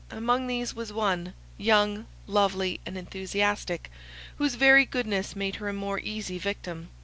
Among these was one, young, lovely, and enthusiastic, whose very goodness made her a more easy victim.